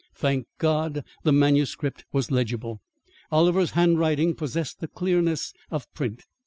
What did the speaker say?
Thank God! the manuscript was legible. Oliver's handwriting possessed the clearness of print.